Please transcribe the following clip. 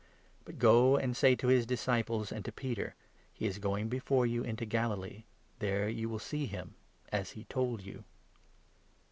But 7 go, and say to his disciples and to Peter ' He is going before you into Galilee ; there you will see him, as he told you.'"